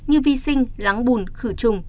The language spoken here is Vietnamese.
như vi sinh lắng bùn khử trùng